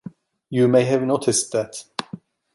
You may have noticed that.